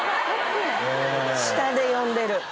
下で呼んでる